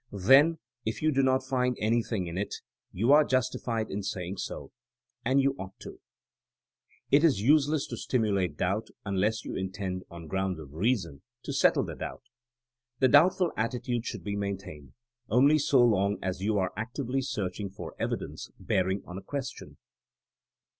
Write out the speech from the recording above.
Then, if you do not find anything in it you are justified in saying so — ^and you ought to. ^o is useless to stimulate doubt unless you intend, on grounds of reason, to settle the doubt. The doubtful attitude should he maintained only so long as you are actively searchvng for evidence hearing on a question.